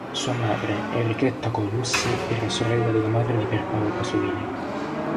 Sua madre, Enrichetta Colussi, era sorella della madre di Pier Paolo Pasolini.